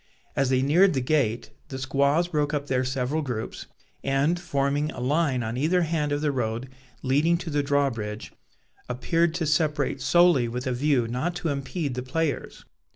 As they neared the gate, the squaws broke up their several groups, and, forming a line on either hand of the road leading to the drawbridge, appeared to separate solely with a view not to impede the players.